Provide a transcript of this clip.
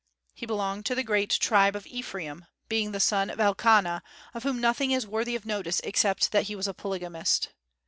He belonged to the great tribe of Ephraim, being the son of Elkanah, of whom nothing is worthy of notice except that he was a polygamist.